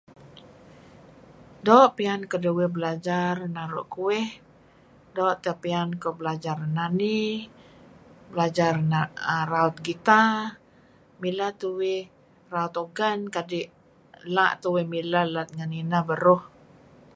Doo' piyan keduih belajar naru' kueh, doo' teh piyan kuh belajar menani, belajar raut guitar, mileh tuih raut organ kadi' la' tuih mileh let ngen ineh beruh.